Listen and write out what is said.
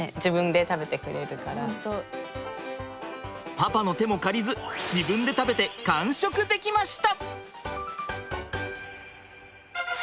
パパの手も借りず自分で食べて完食できました！